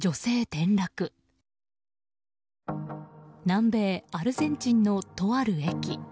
南米アルゼンチンのとある駅。